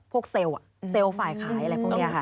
เซลล์เซลล์ฝ่ายขายอะไรพวกนี้ค่ะ